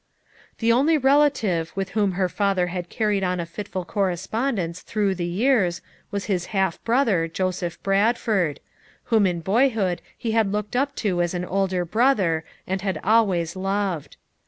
The only relative, with whom her father had carried on a fitful correspondence through the years, was his half brother, Joseph Bradford; whom in boyhood he had looked up to as an older brother, and had always loved.